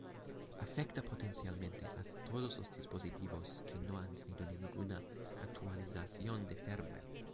Afecta, potencialmente, a todos los dispositivos que no han tenido ninguna actualización de firmware.